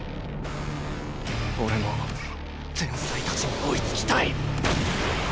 俺も天才たちに追いつきたい！